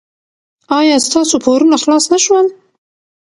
ایا ستاسو پورونه خلاص نه شول؟